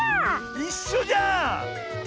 いっしょじゃん！